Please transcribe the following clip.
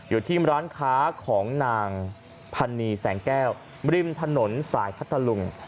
อยู่ที่ร้านค้าของนางพันนีแสงแก้วริมถนนสายพัทธลุง